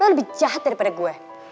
lebih jahat daripada gue